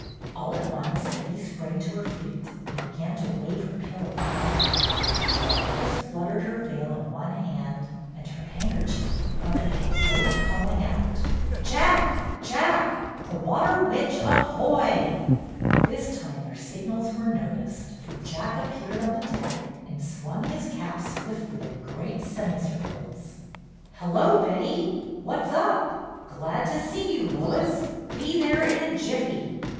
All at once Betty sprang to her feet and began to wave her pillow frantically, while Lois fluttered her veil in one hand and her handkerchief in the other, both calling out: "Jack! Jack! The Water Witch aho o o y!^^ This time their signals were noticed, for Jack appeared on the deck and swung his cap swiftly in great semicircles. "Hello, Betty! What's up? Glad to see you, Lois. Be there in a jiffy."